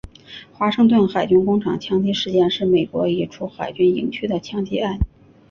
华盛顿海军工厂枪击事件是美国一处海军营区的枪击案。